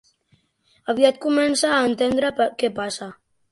Aviat comença a entendre què passa.